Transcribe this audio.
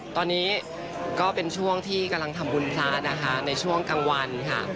ตอนนี้ก็เป็นช่วงที่กำลังทำบุญพระนะคะในช่วงกลางวันค่ะ